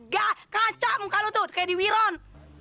gak kaca muka lu tuh kayak di wiron